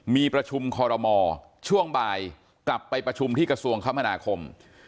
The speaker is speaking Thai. มีประชุมคอรมอช่วงบ่ายกลับไปประชุมที่กระทรวงคมนาคม